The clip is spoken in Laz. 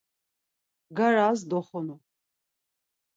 Bgaras doxunu.